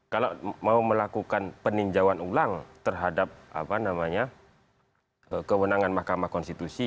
kalau mau melakukan peninjauan ulang terhadap kewenangan mahkamah konstitusi